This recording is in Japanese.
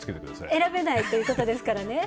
選べないということですからね。